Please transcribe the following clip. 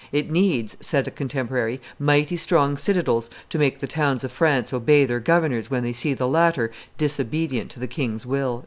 "It needs," said a contemporary, "mighty strong citadels to make the towns of France obey their governors when they see the latter disobedient to the king's. will."